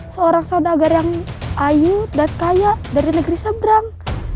seorang saudagar yang ayu dan kaya dari negeri seberang